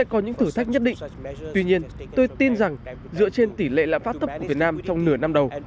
có những thử thách nhất định tuy nhiên tôi tin rằng dựa trên tỷ lệ lạm phát thấp của việt nam trong nửa năm đầu